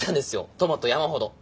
トマト山ほど。